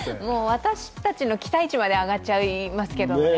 私たちの期待値まで上がっちゃいますけどね。